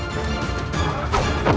jangan lupa untuk berhenti